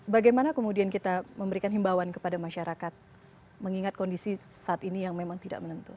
bagaimana kemudian kita memberikan himbauan kepada masyarakat mengingat kondisi saat ini yang memang tidak menentu